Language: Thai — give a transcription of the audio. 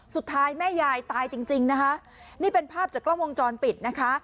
สุดท้ายแม่ยายตายจริงจริงนะคะนี่เป็นภาพจากกล้องวงจรปิดนะคะ